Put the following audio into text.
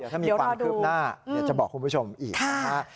ถ้ามีความคืบหน้าเดี๋ยวจะบอกคุณผู้ชมอีกนะฮะ